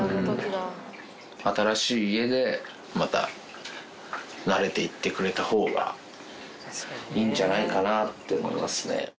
新しい家でまた慣れていってくれたほうがいいんじゃないかなって思いますね。